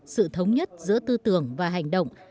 sự thống nhất giữa tư tưởng và hành động